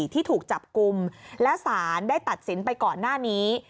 ที่ถูกจับกลุ่มและสารได้ตัดสินไปก่อนหน้านี้